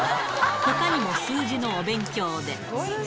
ほかにも数字のお勉強で。